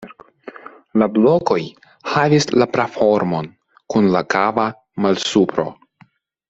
La blokoj havis la pra-formon, kun la kava malsupro.